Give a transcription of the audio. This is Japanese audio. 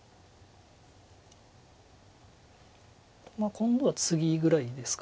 今度はツギぐらいですか。